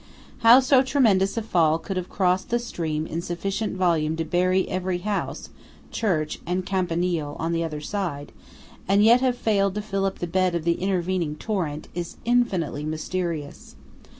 How so tremendous a fall could have crossed the stream in sufficient volume to bury every house, church and campanile on the other side, and yet have failed to fill up the bed of the intervening torrent, is infinitely mysterious.